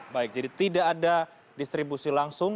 baik jadi tidak ada distribusi langsung